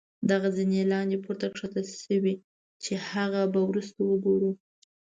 دغه زينې لاندې پوړ ته ښکته شوي چې هغه به وروسته وګورو.